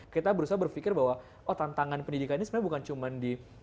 kita berusaha berpikir bahwa oh tantangan pendidikan ini sebenarnya bukan cuma di